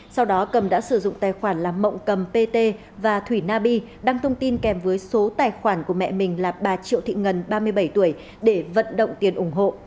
sau đó cầm đã sử dụng tài khoản làm mộng cầm pt và thủy na bi đăng thông tin kèm với số tài khoản của mẹ mình là bà triệu thị ngân ba mươi bảy tuổi để vận động tiền ủng hộ